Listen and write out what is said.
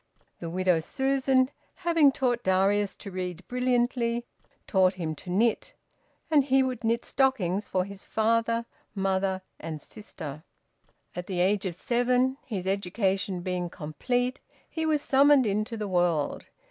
The widow Susan, having taught Darius to read brilliantly, taught him to knit, and he would knit stockings for his father, mother, and sister. At the age of seven, his education being complete, he was summoned into the world.